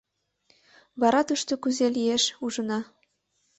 — Вара тушто кузе лиеш — ужына.